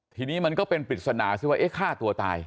ทีนี้มันก็เป็นปริศนาซิว่าฆ่าตัวตาย